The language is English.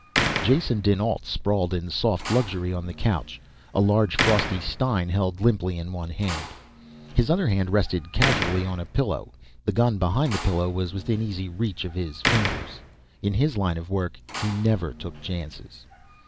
_ Jason dinAlt sprawled in soft luxury on the couch, a large frosty stein held limply in one hand. His other hand rested casually on a pillow. The gun behind the pillow was within easy reach of his fingers. In his line of work he never took chances.